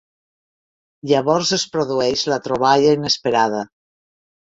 Llavors es produeix la troballa inesperada.